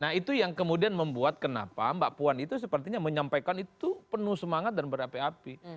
nah itu yang kemudian membuat kenapa mbak puan itu sepertinya menyampaikan itu penuh semangat dan berapi api